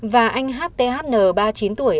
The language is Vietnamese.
và anh hthn ba mươi chín tuổi